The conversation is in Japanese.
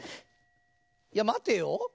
いやまてよ。